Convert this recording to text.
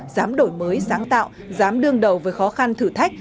giám đổi mới giám tạo giám đương đầu với khó khăn thử thách